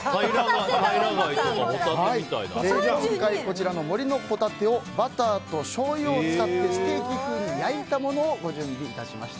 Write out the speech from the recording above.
こちらの森のほたてをバターとしょうゆを使ってステーキ風に焼いたものをご準備いたしました。